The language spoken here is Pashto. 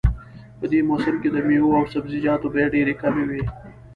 په دې موسم کې د میوو او سبزیجاتو بیې ډېرې کمې وي